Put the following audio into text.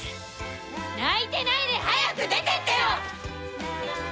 泣いてないで早く出てってよ！